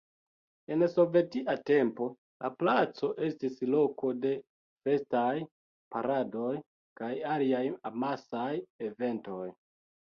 En sovetia tempo la placo estis loko de festaj paradoj kaj aliaj amasaj eventoj.